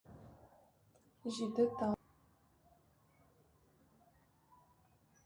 Җиде тауны яңгыраттым